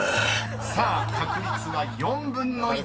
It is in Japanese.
［さあ確率は４分の１。